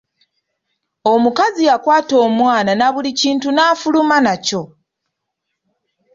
Omukazi yakwata omwana na buli kintu nafuluma nakyo.